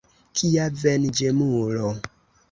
Kia venĝemulo!